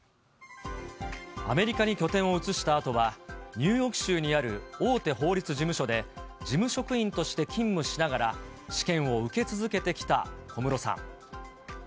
アメリカに拠点を移したあとは、ニューヨーク州にある大手法律事務所で事務職員として勤務しながら試験を受け続けてきた小室さん。